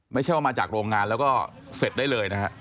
ไม่ใช่ว่ามาจากโรงงานแล้วก็เสร็จได้เลยนะฮะ